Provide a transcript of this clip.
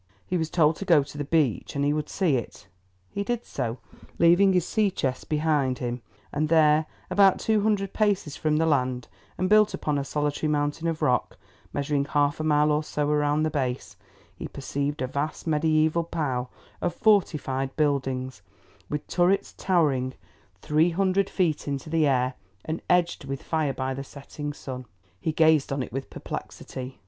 He was told to go to the beach, and he would see it. He did so, leaving his sea chest behind him, and there, about two hundred paces from the land, and built upon a solitary mountain of rock, measuring half a mile or so round the base, he perceived a vast mediæval pile of fortified buildings, with turrets towering three hundred feet into the air, and edged with fire by the setting sun. He gazed on it with perplexity.